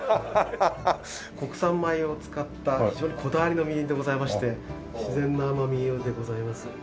国産米を使った非常にこだわりのみりんでございまして自然な甘みでございます。